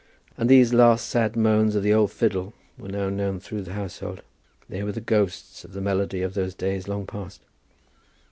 And these last sad moans of the old fiddle were now known through the household. They were the ghosts of the melody of days long past.